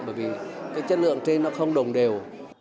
bởi vì chất lượng trên nó không đồng đều